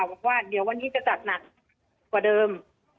บอกว่าเดี๋ยววันนี้จะจัดหนักกว่าเดิม